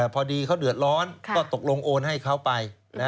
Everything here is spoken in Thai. พอดีเขาเดือดร้อนก็ตกลงโอนให้เขาไป